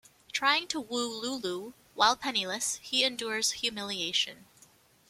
Trying to woo Looloo while penniless, he endures humiliation.